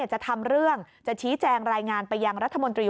จะทำเรื่องจะชี้แจงรายงานไปยังรัฐมนตรี